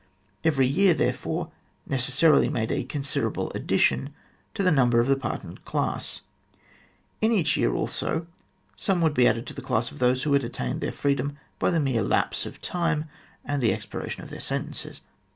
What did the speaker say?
Every year, therefore, necessarily made a considerable addition to the number of the pardoned class. In each year, also, some would be added to the class of those who had attained their freedom by the mere lapse of time and the expiration of their sentences.